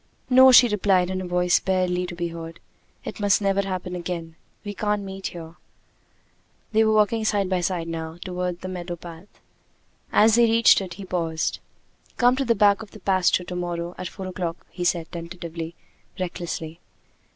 "No!" she replied, in a voice barely to be heard. "It must never happen again. We can't meet here." They were walking side by side now toward the meadow path. As they reached it he paused. "Come to the back of the pasture to morrow! at four o'clock!" he said, tentatively, recklessly.